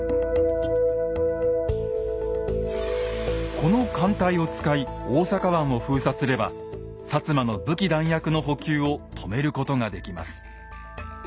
この艦隊を使い大阪湾を封鎖すれば摩の武器弾薬の補給を止めることができます。